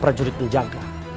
kepada prajurit penjaga